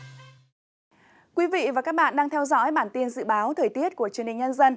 thưa quý vị và các bạn đang theo dõi bản tin dự báo thời tiết của truyền hình nhân dân